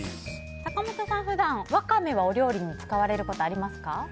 坂本さん、普段ワカメはお料理に使われることありますか？